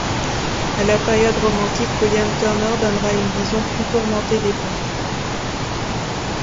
À la période romantique, William Turner donnera une vision plus tourmentée des ponts.